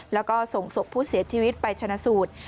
แล้วก็ส่งศพผู้เสียชีวิตไปชนะสูตร